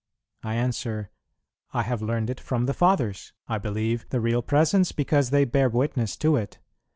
I answer, "I have learned it from the Fathers: I believe the Real Presence because they bear witness to it.